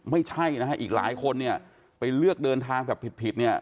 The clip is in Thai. ไม่ใช่นะฮะอีกหลายคนเนี่ยไปเลือกเดินทางแบบผิดผิดเนี่ย